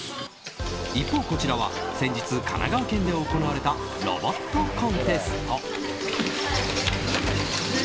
一方、こちらは先日神奈川県で行われたロボットコンテスト。